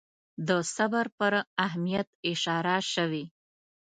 د صبر پر اهمیت اشاره شوې.